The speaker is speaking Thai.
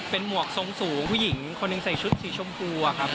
เป็นหมวกทรงสูงผู้หญิงคนหนึ่งใส่ชุดสีชมพูอะครับ